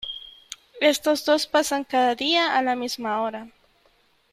Estos dos pasan cada día a la misma hora.